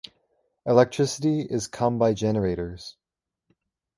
Electricity is come by generators.